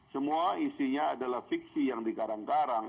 semua isinya adalah fiksi yang dikarang karang